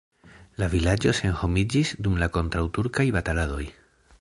La vilaĝo senhomiĝis dum la kontraŭturkaj bataladoj.